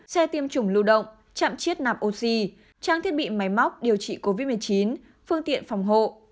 xe tiêm chủng lưu động chạm chiết nạp oxy trang thiết bị máy móc điều trị covid một mươi chín phương tiện phòng hộ